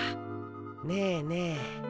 ねえねえ